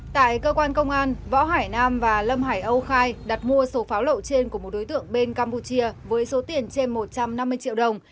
tại cơ quan công an võ hải nam và lâm hải âu khai đặt mua số pháo lậu trên của một đối tượng bên campuchia với số tiền trên một trăm năm mươi triệu đồng